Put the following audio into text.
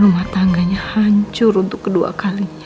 rumah tangganya hancur untuk kedua kali